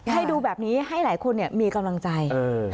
ให้ดูแบบนี้ให้หลายคนมีกำลังใจ